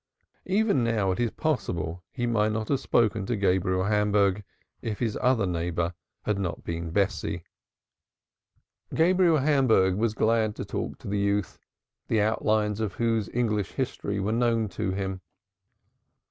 Even to day it is possible he might not have spoken to Gabriel Hamburg if his other neighbor had not been Bessie. Gabriel Hamburg was glad to talk to the youth, the outlines of whose English history were known to him.